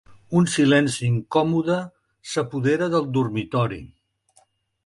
Un silenci incòmode s'apodera del dormitori.